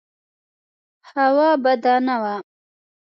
هوا بده نه وه.